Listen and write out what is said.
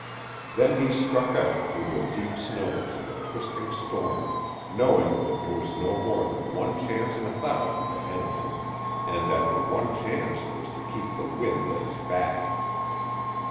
Than he struck out through the deep snows and the twisting storm, knowing that there was no more than one chance in a thousand ahead of him, and that the one chance was to keep the wind at his back.